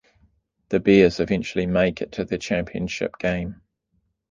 The Bears eventually make it to the championship game.